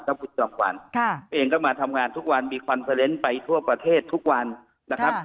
ก็คุณจำขวัญค่ะเองก็มาทำงานทุกวันมีไปทั่วประเทศทุกวันนะครับ